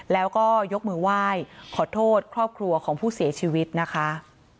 แล้วก็ยกมือไหว้ขอโทษครอบครัวของผู้เสียชีวิตนะคะ